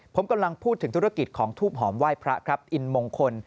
ผมกำลังพูดถึงธุรกิจของทูบหอมไหว้พระครับอินมงคล